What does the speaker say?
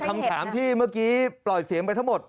คำถามที่เมื่อกี้ปล่อยเสียงไปทั้งหมด